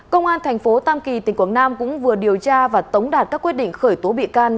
công an thành phố tam kỳ tỉnh quảng nam cũng vừa điều tra và tống đạt các quyết định khởi tố bị can